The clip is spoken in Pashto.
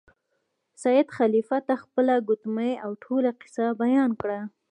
سید خلیفه ته خپله ګوتمۍ او ټوله کیسه بیان کړه.